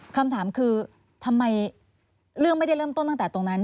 คำถามคือทำไมเรื่องไม่ได้เริ่มต้นตั้งแต่ตรงนั้น